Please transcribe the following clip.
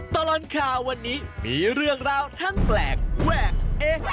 ตลอดข่าววันนี้มีเรื่องราวทั้งแปลกแวกเอ๊ะ